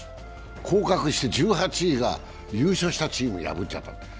降格した１８位が優勝したチーム破っちゃった。